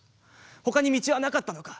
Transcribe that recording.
他に道はなかったのか。